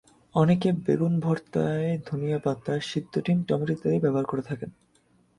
অনেকে বেগুন ভর্তায় ধনিয়া পাতা, সিদ্ধ ডিম, টমেটো ইত্যাদি ব্যবহার করেন।